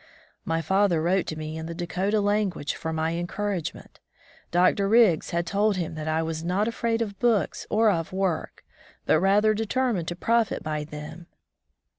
My father wrote to me in the Dakota language for my encouragement. Dr. Riggs had told him that I was not afraid of books or of work, but rather determined to profit 48 On the White MarCs Trail by them.